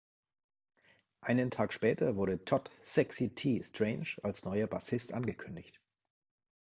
Einen Tag später wurde Todd "Sexy T" Strange als neuer Bassist angekündigt.